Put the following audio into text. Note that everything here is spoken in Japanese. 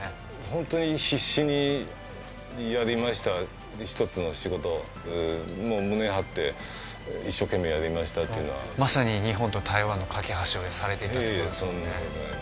ホントに必死にやりました一つの仕事を胸張って一生懸命やりましたというのはまさに日本と台湾の懸け橋をされていたといえいえ